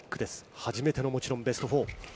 初めてのもちろんベスト４。